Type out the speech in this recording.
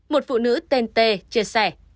một phụ nữ tên tê chia sẻ